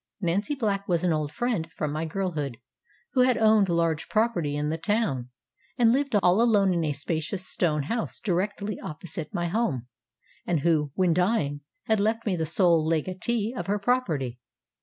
Nancy Black was an old friend from my girlhood, who had owned large property in the town, and lived all alone in a spacious stone house directly opposite my home, and who, when dying, had left me the sole legatee of her property.